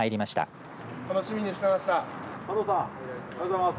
おはようございます。